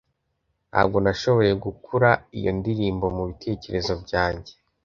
Ntabwo nashoboye gukura iyo ndirimbo mubitekerezo byanjye